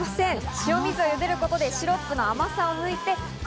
塩水でゆでることでシロップの甘さを抜いて栗